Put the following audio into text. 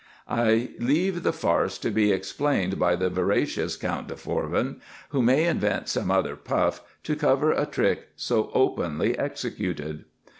I leave the farce to be explained by the veracious Count de Forbin, who may invent some other puff to cover a trick so openly executed.